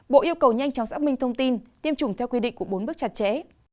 bộ yêu cầu nhanh chóng xác minh thông tin tiêm chủng theo quy định của bốn bước chặt chẽ